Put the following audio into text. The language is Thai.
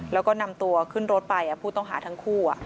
แล้วก็นำตัวขึ้นรถไปผู้ต้องหาทั้งคู่